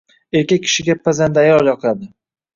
Erkak kishiga pazanda ayol yoqadi